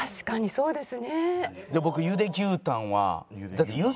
そうです。